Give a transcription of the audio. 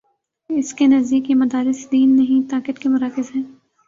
اس کے نزدیک یہ مدارس دین نہیں، طاقت کے مراکز ہیں۔